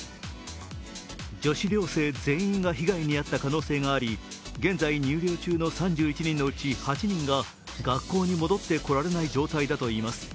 女子寮生全員が被害に遭った可能性があり、現在入寮中の３１人のうち８人が学校に戻ってこられない状況だといいます。